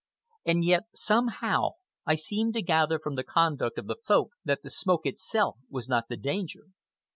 And yet, somehow, I seemed to gather from the conduct of the Folk that the smoke itself was not the danger.